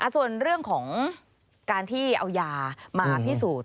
ส่วนเรื่องของการที่เอายามาพิสูจน์